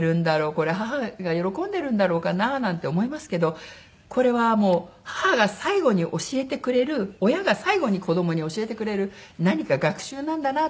これ母が喜んでるんだろうかな？なんて思いますけどこれはもう母が最後に教えてくれる親が最後に子どもに教えてくれる何か学習なんだなと思って。